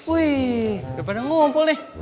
wih udah pada ngumpul nih